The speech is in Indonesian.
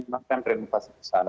memang kan renovasi besar